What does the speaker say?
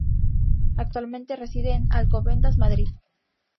Actualmente reside en Alcobendas, Madrid.